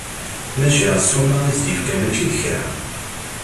Maca, ssuma i as-d-yefka mačči d kra!